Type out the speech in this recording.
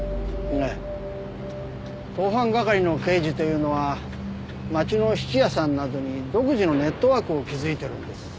ええ盗犯係の刑事というのは街の質屋さんなどに独自のネットワークを築いているんです。